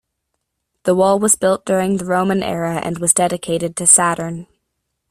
The wall was built during the Roman era and was dedicated to Saturn.